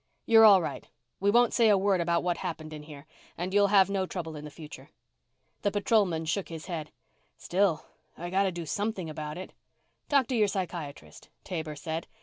You're all right. We won't say a word about what happened in here. And you'll have no trouble in the future." The patrolman shook his head. "Still, I gotta do something about it." "Talk to your psychiatrist," Taber said.